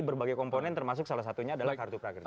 dibagi komponen termasuk salah satunya adalah kartu prageri